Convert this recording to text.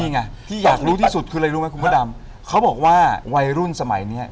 นี่ไงที่อยากรู้ที่สุดคืออะไรรู้ไหมคุณพระดำเขาบอกว่าวัยรุ่นสมัยเนี้ย